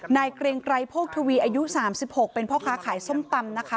เกรงไกรโภคทวีอายุ๓๖เป็นพ่อค้าขายส้มตำนะคะ